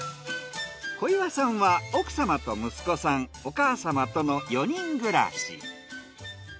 小岩さんは奥様と息子さんお母様との４人暮らし。